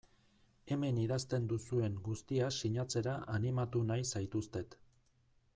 Hemen idazten duzuen guztia sinatzera animatu nahi zaituztet.